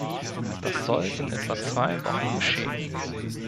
Das soll in etwa zwei Wochen geschehen.